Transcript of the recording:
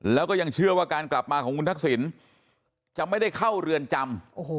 แล้วก็ยังเชื่อว่าการกลับมาของคุณทักษิณจะไม่ได้เข้าเรือนจำ